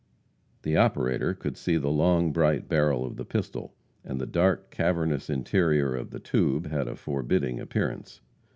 The operator could see the long, bright barrel of the pistol, and the dark, cavernous interior of the tube had a forbidding appearance.